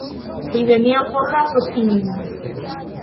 Li neniam forlasos ilin.